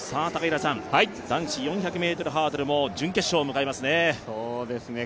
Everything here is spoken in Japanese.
男子４００ｍハードルも準決勝を迎えますね。